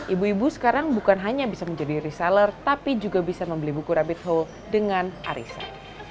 ibu ibu sekarang bukan hanya bisa menjadi reseller tapi juga bisa membeli buku rabbit whole dengan arisan